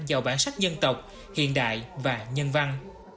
giàu bản sắc dân tộc hiện đại và nhân văn